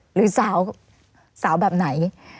หรือสาวแบบไหน